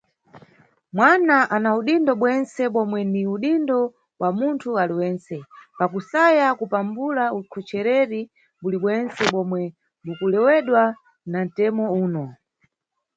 Mwana ana udindo bwentse bomwe ni udindo bwa munthu aliwentse, pakusaya kupambula ukhochereri bulibwentse bomwe bukulewedwa na ntemo uno.